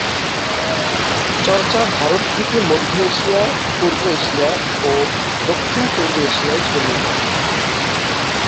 চর্চা ভারত থেকে মধ্য এশিয়া, পূর্ব এশিয়া ও দক্ষিণ -পূর্ব এশিয়ায় ছড়িয়ে পড়ে।